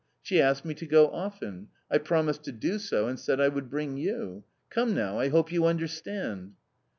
She asked me to go often ; I promised to do so and said I would bring you ^ come, now, I hope you understand